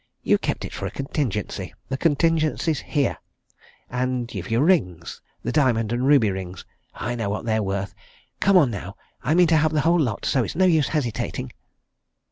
You kept it for a contingency the contingency's here. And you've your rings the diamond and ruby rings I know what they're worth! Come on, now I mean to have the whole lot, so it's no use hesitating."